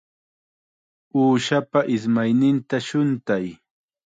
Uushapa ismayninta shuntay.